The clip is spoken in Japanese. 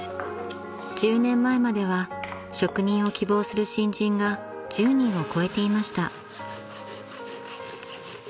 ［１０年前までは職人を希望する新人が１０人を超えていました］